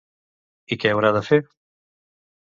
I què haurà de fer?